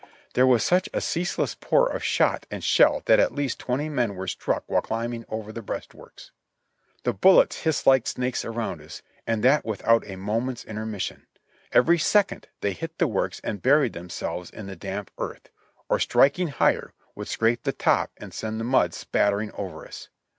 There was such a ceaseless pour of shot and shell that at least twenty men were struck while climbing over the breastworks. The bullets hissed like snakes around us, and that without a moment's intermission. Every second they hit the works and buried themselves in the damp earth ; or striking higher would scrape the top and send the mud spattering over us.